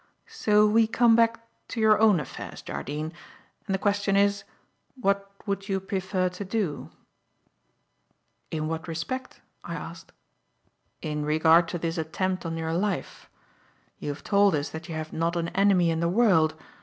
So we come back to your own affairs, Jardine, and the question is, What would you prefer to do?" "In what respect?" I asked. "In regard to this attempt on your life. You have told us that you have not an enemy in the world.